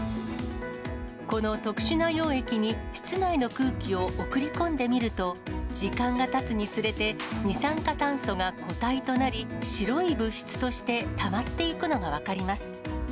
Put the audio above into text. この特殊な溶液に室内の空気を送り込んでみると、時間がたつにつれて、二酸化炭素が固体となり、白い物質としてたまっていくのが分かります。